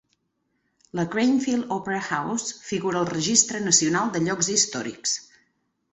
La Grainfield Opera House figura al Registre Nacional de Llocs Històrics.